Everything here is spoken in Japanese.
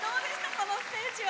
このステージは。